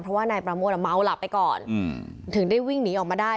เพราะว่านายประโมทเมาหลับไปก่อนถึงได้วิ่งหนีออกมาได้